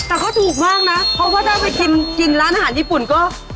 แต่เขาถูกมากนะเพราะว่าถ้าไปชิมกินร้านอาหารญี่ปุ่นก็